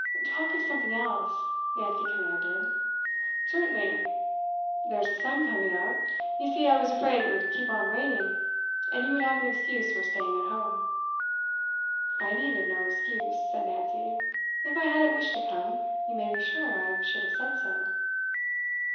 'Talk of something else,' Nancy commanded. 'Certainly. There's the sun coming out. You see, I was afraid it would keep on raining, and you would have an excuse for staying at home.' 'I needed no excuse,' said Nancy. 'If I hadn't wished to come, you may be sure I should have said so.